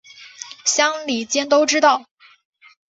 乡里间都知道